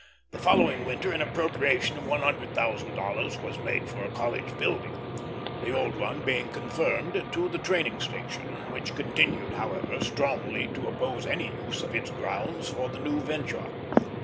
The following winter an appropriation of one hundred thousand dollars was made for a College building; the old one being confirmed to the training station, which continued, however, strongly to oppose any use of its grounds for the new venture.